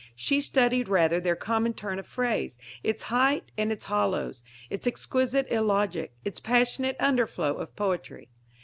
She studied rather their common turn of phrase, its heights and its hollows, its exquisite illogic, its passionate underflow of poetry.